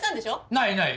ないない！